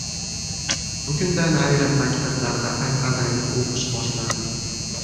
Bugundan ayrim maktablarda an’anaviy o‘qish boshlandi